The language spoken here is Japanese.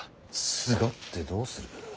すがってどうする。